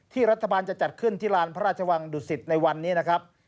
รัฐบาลจะจัดขึ้นที่ลานพระราชวังดุสิตในวันนี้นะครับ